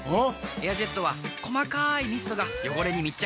エアジェットは細かいミストが汚れに密着！